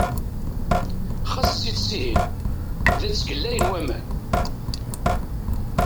Ɣas zzi-d sihin! Da ttgellayen waman.